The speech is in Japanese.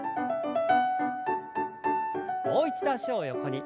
もう一度脚を横に。